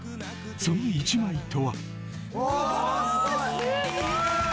その一枚とは。